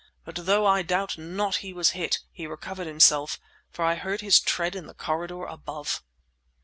But, though I doubt not he was hit, he recovered himself, for I heard his tread in the corridor above.